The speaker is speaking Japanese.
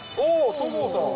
戸郷さん。